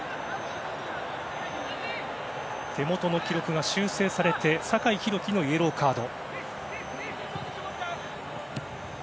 手元の記録が修正されて酒井宏樹のイエローカード。